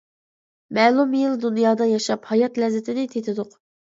مەلۇم يىل دۇنيادا ياشاپ، ھايات لەززىتىنى تېتىدۇق.